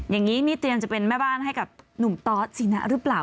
อย่างนี้นี่เตรียมจะเป็นแม่บ้านให้กับหนุ่มตอสสินะหรือเปล่า